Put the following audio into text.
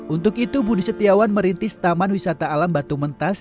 untuk itu budi setiawan merintis taman wisata alam batu mentas